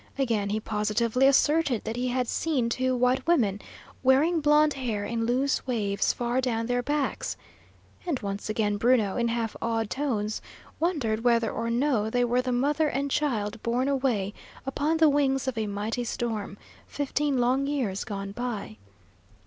Again he positively asserted that he had seen two white women, wearing blonde hair in loose waves far adown their backs. And once again Bruno, in half awed tones, wondered whether or no they were the mother and child borne away upon the wings of a mighty storm, fifteen long years gone by.